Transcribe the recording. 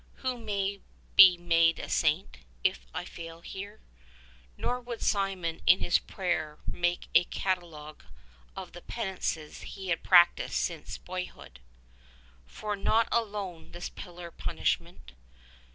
Who may be made a saint, if I fail here? Nor would Simeon in his prayer make a catalogue of the penances he had practised since his boyhood : For not alone this pillar punishment.